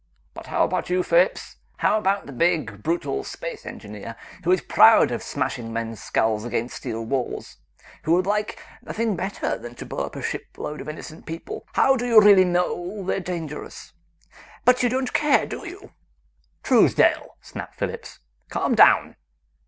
"But how about you, Phillips? How about the big, brutal space engineer who is proud of smashing men's skulls against steel walls, who would like nothing better than to blow up a shipload of innocent people. How do you really know they're dangerous? But you don't care, do you?" "Truesdale!" snapped Phillips. "Calm down!"